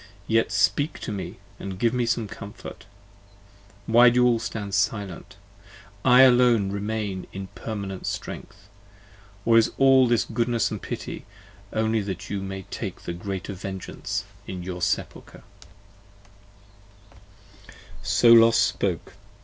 yet speak to me and give Me some comfort! why do you all stand silent? I alone Remain in permanent strength. Or is all this goodness & pity, only That you may take the greater vengeance in your Sepulcher? 80 So Los spoke.